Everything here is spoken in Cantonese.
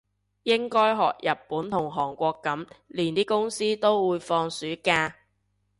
應該學日本同韓國噉，連啲公司都會放暑假